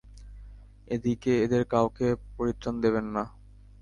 এদের কাউকে পরিত্রাণ দিবেন না।